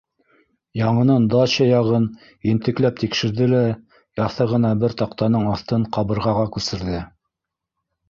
Яңынан дача яғын ентекләп тикшерҙе лә яҫы ғына бер таҡтаның аҫтын ҡабырғаға күсерҙе: